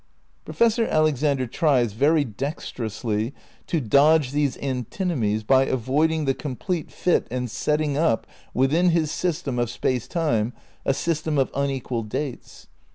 Professor Alexander tries, very dexterously, to dodge these antinomies by avoiding the complete fit and setting up within his system of Space Time a system of unequal dates.